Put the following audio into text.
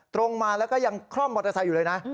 ตรงมาแล้วก็ยังคล่อมมอเตอร์ไซค์อยู่เลยนะ